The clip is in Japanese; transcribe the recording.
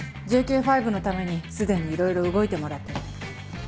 ＪＫ５のために既にいろいろ動いてもらってる。